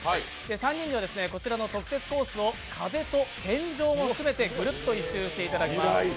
３人にはこちらの特設コースを壁と天井を含めてぐるっと１周していただきます。